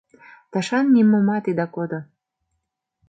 — Тышан нимомат ида кодо.